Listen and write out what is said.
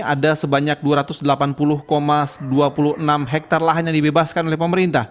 ada sebanyak dua ratus delapan puluh dua puluh enam hektare lahan yang dibebaskan oleh pemerintah